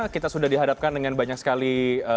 kita sudah dihadapkan dengan banyak sekali